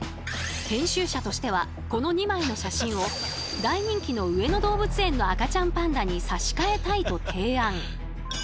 編集者としてはこの２枚の写真を大人気の上野動物園の赤ちゃんパンダに差し替えたいと提案。